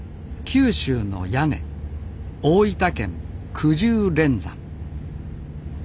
九州の屋根大分県くじゅう連山。